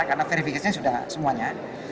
karena verifikasinya sudah semuanya